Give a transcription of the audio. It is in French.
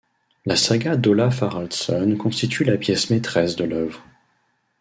La saga d'Olaf Haraldson constitue la pièce maîtresse de l'œuvre.